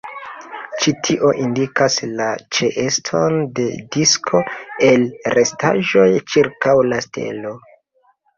Ĉi tio indikas la ĉeeston de disko el restaĵoj ĉirkaŭ la stelo.